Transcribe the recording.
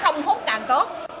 không hút càng tốt